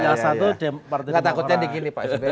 gak takutnya dikini pak sbe